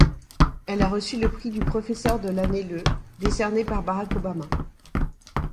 Elle a reçu le prix du professeur de l'année le décerné par Barack Obama.